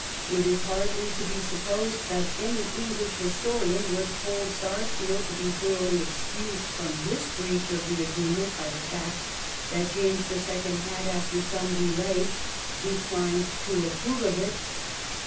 It is hardly to be supposed that any English historian would hold Sarsfield to be thoroughly ex cused for his breach of the agreement by the fact that James the Second had, after some delay, declined to approve of it.